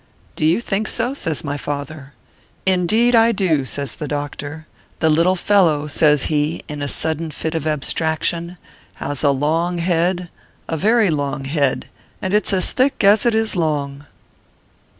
" Do you think so ?" says my father. " Indeed I do," says the doctor. " The little fel low/ says he, in a sudden fit of abstraction, " has a long head, a very long head and it s as thick as it is long."